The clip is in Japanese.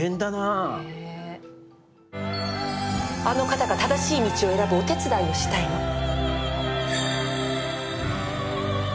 あの方が正しい道を選ぶお手伝いがしたいの。